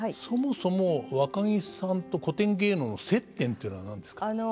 そもそもわかぎさんと古典芸能の接点というのは何ですか？